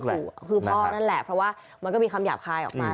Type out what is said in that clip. คือพ่อนั่นแหละเพราะว่ามันก็มีคำหยาบคายออกมา